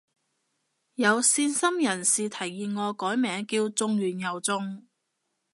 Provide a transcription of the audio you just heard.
有善心人士提議我改名叫中完又中